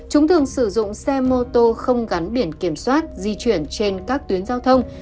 chúng thường sử dụng xe mô tô không gắn biển kiểm soát di chuyển trên các tuyến giao thông